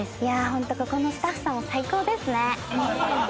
ホントここのスタッフさん最高ですね。